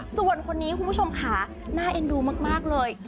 ส่วนคนนี้คุณผู้ชมค่ะน่าเอ็นดูมากเลย